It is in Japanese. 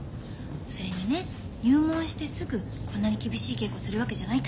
それにね入門してすぐこんなに厳しい稽古するわけじゃないから。